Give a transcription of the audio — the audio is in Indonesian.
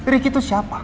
riki itu siapa